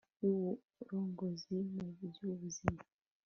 y'ubugorozi mu by'ubuzima